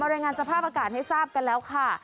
รายงานสภาพอากาศให้ทราบกันแล้วค่ะ